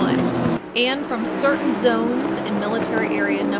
1" and from certain zones in Military Area No.